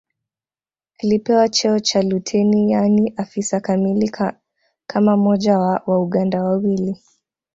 Alipewa cheo cha luteni yaani afisa kamili kama mmoja wa Wauganda wawili